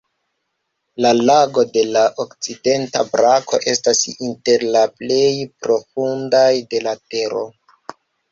La lagoj de la okcidenta brako estas inter la plej profundaj de la Tero.